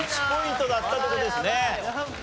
１ポイントだったって事ですね。